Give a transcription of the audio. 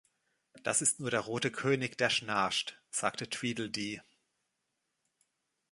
„Das ist nur der Rote König, der schnarcht“, sagte Tweedledee.